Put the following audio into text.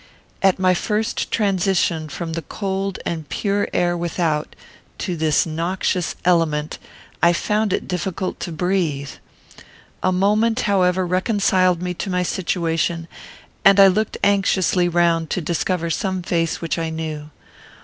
At my first transition from the cold and pure air without, to this noxious element, I found it difficult to breathe. A moment, however, reconciled me to my situation, and I looked anxiously round to discover some face which I knew.